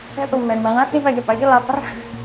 saya tumben banget nih pagi pagi lapar